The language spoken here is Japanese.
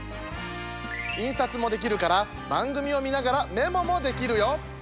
印刷もできるから番組を見ながらメモもできるよ！